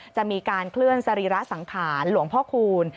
จะมีการเคลื่อนสรีระสังขารหลวงพ่อคูณ